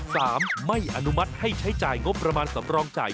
สามไม่อนุมัติให้ใช้จ่ายงบประมาณสำรองจ่าย